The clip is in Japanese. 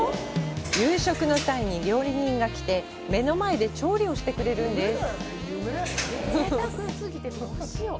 夕食の際に料理人が来て、目の前で調理をしてくれるんです。